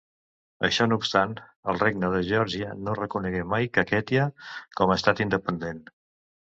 Això no obstant, el Regne de Geòrgia no reconegué mai Kakhètia com a estat independent.